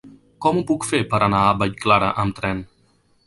Com ho puc fer per anar a Vallclara amb tren?